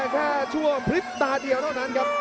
แค่ช่วงพริบตาเดียวเท่านั้นครับ